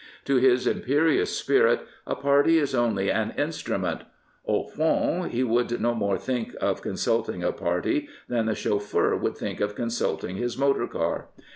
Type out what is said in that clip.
To his imperious spirit, a party is only an instrument. Au fond, he would no more think of consulting a party than the chauffeur would think of consulting his motor car.